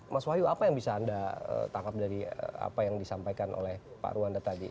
mas wahyu apa yang bisa anda tangkap dari apa yang disampaikan oleh pak ruanda tadi